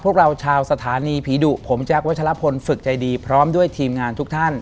พวกเราชาวสถานีผีดุผมแจ๊ควัชลพลฝึกใจดีพร้อมด้วยทีมงานทุกท่าน